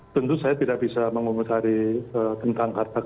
tentu saya tidak bisa mengumumkari tentang kata kekayaan